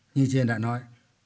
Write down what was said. như trên đã nói